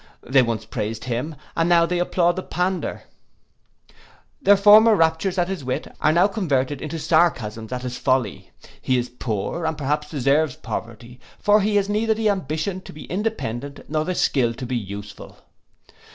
They once praised him, and now they applaud the pander: their former raptures at his wit, are now converted into sarcasms at his folly: he is poor, and perhaps deserves poverty; for he has neither the ambition to be independent, nor the skill to be useful.